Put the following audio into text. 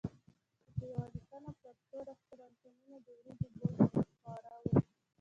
چې په یوه لیکه پرتو رستورانتونو د وریجو بوی خواره وو.